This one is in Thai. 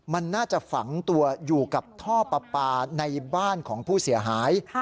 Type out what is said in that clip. มันน่าจะฝังตัวอยู่กับท่อปลาปลาในบ้านของผู้เสียหาย